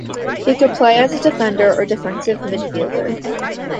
He could play as a defender or defensive midfielder.